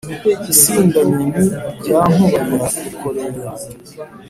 i sinda-nyoni rya nkuba ya rukorera,